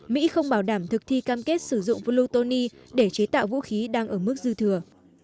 mỹ không bảo đảm thực thi cam kết sử dụng proutony để chế tạo vũ khí đang ở mức dư thừa